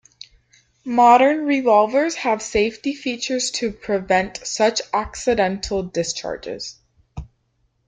Modern revolvers have safety features to prevent such accidental discharges.